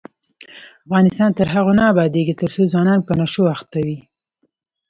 افغانستان تر هغو نه ابادیږي، ترڅو ځوانان په نشو اخته وي.